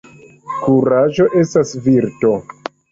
Kuraĝo estas virto.